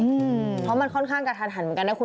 เพราะมันค่อนข้างกระทันหันเหมือนกันนะคุณ